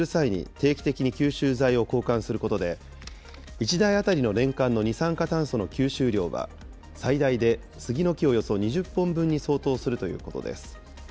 定期的に吸収材を交換することで、１台当たりの年間の二酸化炭素の吸収量は、最大でスギの木およそ２０本分に相当するということです。